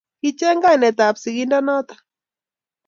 Kicheng kainetab sigindonoto